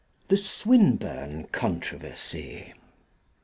THE SWINBURNE CONTROVERSY (1866.)